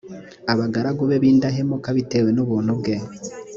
abagaragu be b indahemuka bitewe n ubuntu bwe